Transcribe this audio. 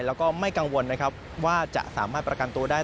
แล้วก็ไม่กังวลนะครับว่าจะสามารถประกันตัวได้